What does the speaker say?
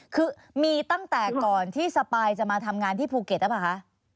คือมีตั้งแต่ก่อนที่สปายจะมาทำงานที่ภูเก็ตหรือเปล่าคะ